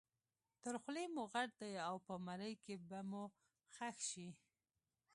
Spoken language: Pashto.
تر خولې مو غټ دی او په مرۍ کې به مو ښخ شي.